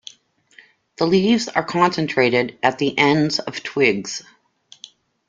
The leaves are concentrated at the ends of twigs.